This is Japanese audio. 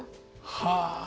はあ。